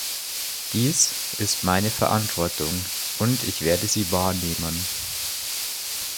Dies ist meine Verantwortung, und ich werde sie wahrnehmen.